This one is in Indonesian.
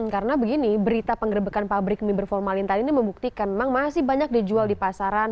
karena begini berita penggerbekan pabrik mie berformalin tadi ini membuktikan memang masih banyak dijual di pasaran